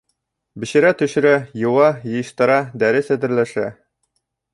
Бешерә-төшөрә, йыуа, йыйыштыра, дәрес әҙерләшә...